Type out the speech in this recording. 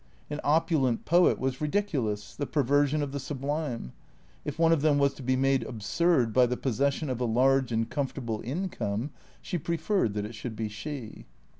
An opulent poet was ridiculous, the perversion of the sublime. If one of them was to be made absurd by the possession of a large and comfort able income she preferred that it should be she.